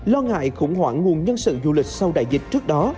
lo ngại khủng hoảng nguồn nhân sự du lịch sau đại dịch trước đó